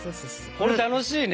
これ楽しいね！